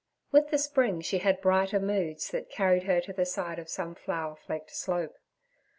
With the spring she had brighter moods that carried her to the side of some flower flecked slope.